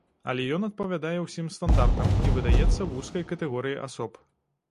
Але ён адпавядае ўсім стандартам і выдаецца вузкай катэгорыі асоб.